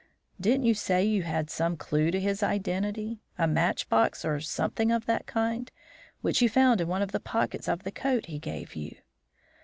"Didn't you say you had some clue to his identity; a match box or something of that kind, which you found in one of the pockets of the coat he gave you?"